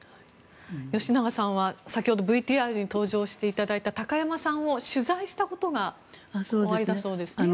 吉永さんは先ほどＶＴＲに登場していただいた高山さんを取材したことがおありだそうですね。